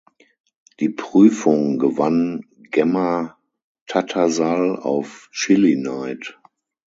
Die Prüfung gewann Gemma Tattersall auf "Chilli Knight".